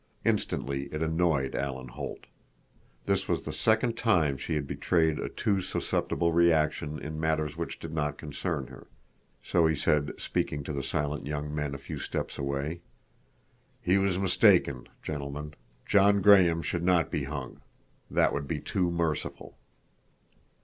Instantly it annoyed Alan Holt. This was the second time she had betrayed a too susceptible reaction in matters which did not concern her. So he said, speaking to the silent young men a few steps away: "He was mistaken, gentlemen. John Graham should not be hung. That would be too merciful."